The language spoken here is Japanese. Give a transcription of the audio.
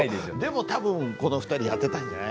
でも多分この２人やってたんじゃない。